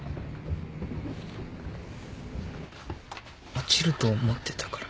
落ちると思ってたから。